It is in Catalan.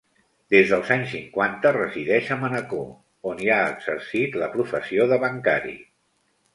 Des dels anys cinquanta resideix a Manacor on hi ha exercit la professió de bancari.